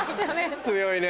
強いね。